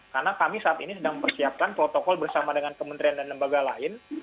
karena kami saat ini sedang mempersiapkan protokol bersama dengan kementerian dan lembaga lain